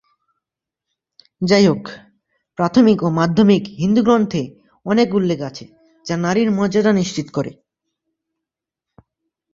যাইহোক, প্রাথমিক ও মাধ্যমিক হিন্দু গ্রন্থে অনেক উল্লেখ আছে যা নারীর মর্যাদা নিশ্চিত করে।